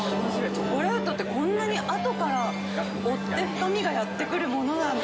チョコレートって、こんなに後から追って深みがやってくるものなんだ。